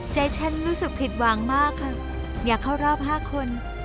ใจฉันรู้สึกผิดหวังมากค่ะอยากเข้ารอบ๕คน